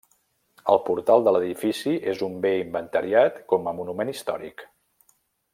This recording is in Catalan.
El portal de l'edifici és un bé inventariat com a monument històric.